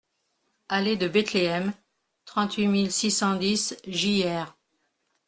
Allée de Bethleem, trente-huit mille six cent dix Gières